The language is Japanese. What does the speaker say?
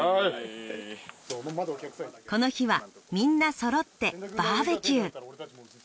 この日はみんなそろってバーベキュー。